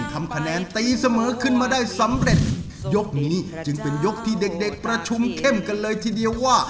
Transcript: ทำคะแนนตีเสมอขึ้นมาได้สำเร็จยกนี้จึงเป็นยกที่เด็กเด็กประชุมเข้มกันเลยทีเดียวว่า